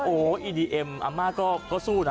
โอ้โหอีดีเอ็มอาม่าก็สู้นะ